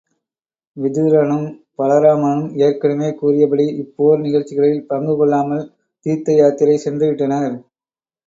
விதுரனும், பலராமனும் ஏற்கனவே கூறியபடி இப் போர் நிகழ்ச்சிகளில் பங்கு கொள்ளாமல் தீர்த்தயாத்திரை சென்று விட்டனர்.